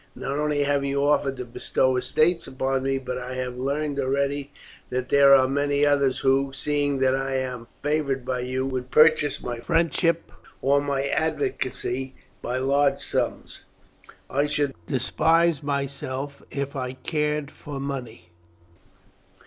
Not only have you offered to bestow estates upon me, but I have learned already that there are many others who, seeing that I am favoured by you, would purchase my friendship or my advocacy by large sums. I should despise myself if I cared for money.